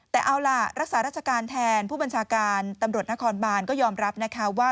แต่เอาล่ะรักษาราชการแทนผู้บัญชาการตำรวจนครบานก็ยอมรับนะคะว่า